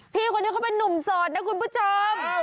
พี่คนนี้เขาเป็นนุ่มโสดนะคุณผู้ชม